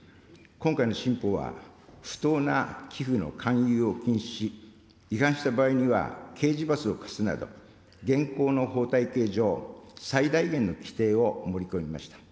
今回の新法は、不当な寄付の勧誘を禁止し、違反した場合には、刑事罰を科すなど、現行の法体系上、最大限の規定を盛り込みました。